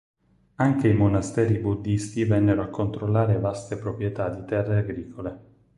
Anche i monasteri buddisti vennero a controllare vaste proprietà di terre agricole.